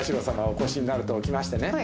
お越しになると聞きましてね